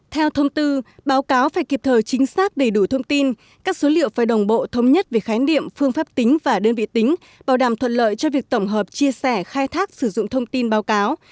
theo thông tư báo cáo phải kịp thời chính xác đầy đủ thông tin các số liệu phải đồng bộ thống nhất về khái niệm phương pháp tính và đơn vị tính bảo đảm thuận lợi cho việc tổng hợp chia sẻ khai thác sử dụng thông tin báo cáo